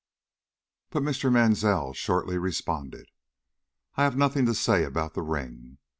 But Mr. Mansell shortly responded: "I have nothing to say about the ring.